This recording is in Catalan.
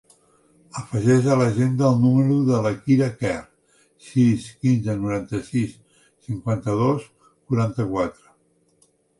Afegeix a l'agenda el número de la Kira Quer: sis, quinze, noranta-sis, cinquanta-dos, quaranta-quatre.